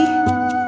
kucing yang ajaib